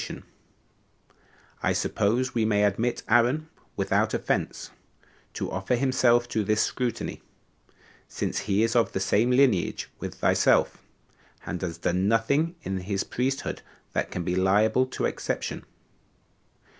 And I suppose we may admit Aaron without offense, to offer himself to this scrutiny, since he is of the same lineage with thyself, and has done nothing in his priesthood that can be liable to exception.